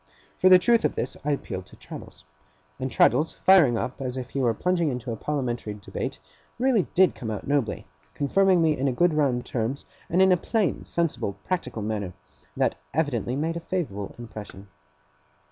For the truth of this, I appealed to Traddles. And Traddles, firing up as if he were plunging into a Parliamentary Debate, really did come out nobly: confirming me in good round terms, and in a plain sensible practical manner, that evidently made a favourable impression.